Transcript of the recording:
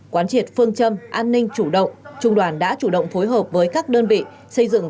quán triệt phương châm an ninh chủ động trung đoàn đã chủ động phối hợp với các đơn vị xây dựng